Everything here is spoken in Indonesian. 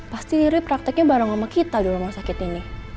pasti irip prakteknya bareng sama kita di rumah sakit ini